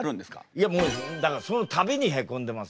いやもうだからその度にへこんでますよ